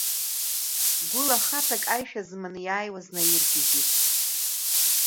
Гәыла хаҵак аишәа зманы иааиуаз наиргьежьит.